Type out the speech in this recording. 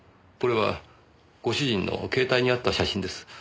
これはご主人の携帯にあった写真です。